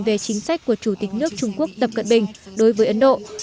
về chính sách của chủ tịch nước trung quốc tập cận bình đối với ấn độ